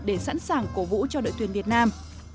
để sẵn sàng cổ vũ cho đội tuyển việt nam